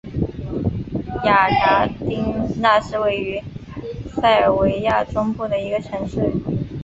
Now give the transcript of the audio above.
雅戈丁那是位于塞尔维亚中部的一个城市。